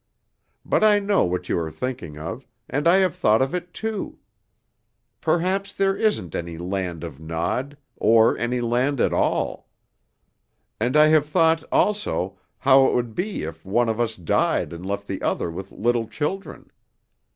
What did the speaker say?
But I know what you are thinking of, and I have thought of it too. Perhaps there isn't any land of Nod, or any land at all. And I have thought, also, how it would be if one of us died and left the other with little children.